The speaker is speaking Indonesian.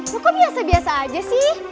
lo kok biasa biasa aja sih